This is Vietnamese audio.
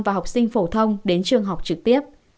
và học sinh phổ thông đến trường học trực tiếp